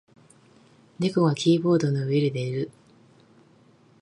猫がキーボードの上で寝る。